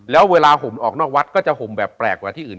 แล้วเวลาห่มออกนอกวัดก็จะห่มแบบแปลกกว่าที่อื่น